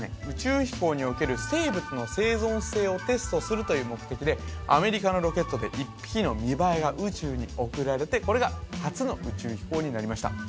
宇宙飛行における生物の生存性をテストするという目的でアメリカのロケットで１匹のミバエが宇宙に送られてこれが初の宇宙飛行になりました